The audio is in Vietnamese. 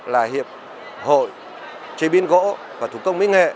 là hiệp hội chí biên gỗ và thủ công mỹ nghệ